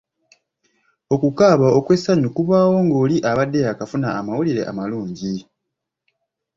Okukaaba okw’essanyu kubaawo ng’oli abadde yaakafuna amawulire amalungi.